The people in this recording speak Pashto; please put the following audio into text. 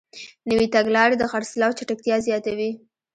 نوې تګلارې د خرڅلاو چټکتیا زیاتوي.